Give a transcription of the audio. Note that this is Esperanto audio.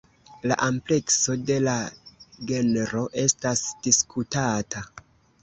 La amplekso de la genro estas diskutata.